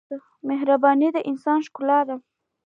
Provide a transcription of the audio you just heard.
مهرباني د انسان ښکلا ده.